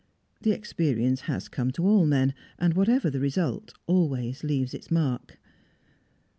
The experience has come to all men, and, whatever the result, always leaves its mark.